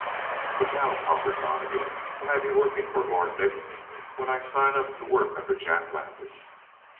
"But how," pondered Donnegan, "can I be working for Lord Nick when I sign up to work under Jack Landis?"